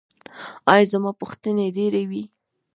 ایا زما پوښتنې ډیرې وې؟